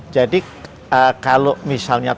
jadi kalau misalnya